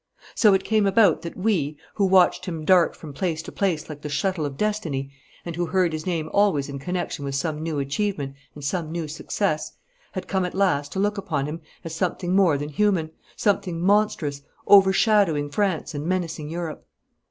So it came about that we, who watched him dart from place to place like the shuttle of destiny, and who heard his name always in connection with some new achievement and some new success, had come at last to look upon him as something more than human, something monstrous, overshadowing France and menacing Europe.